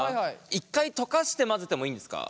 一回溶かして混ぜてもいいんですか？